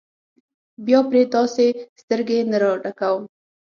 بیا پرې تاسې سترګې نه راډکوم.